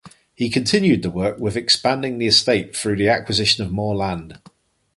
He continued the work with expanding the estate through the acquisition of more land.